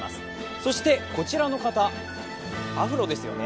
そしてこちらの方、アフロですよね。